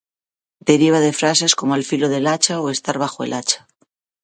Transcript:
Deriva de frases como "al filo del hacha" o "estar bajo el hacha".